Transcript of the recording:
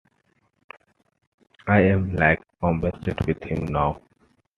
I'm like obsessed with him now.